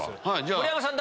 盛山さん